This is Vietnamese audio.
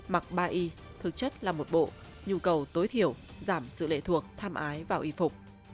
mặc ba y thực chất là một bộ nhu cầu tối thiểu giảm sự lệ thuộc tham ái vào y phục